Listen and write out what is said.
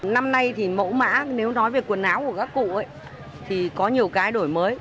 năm nay thì mẫu mã nếu nói về quần áo của các cụ ấy thì có nhiều cái đổi mới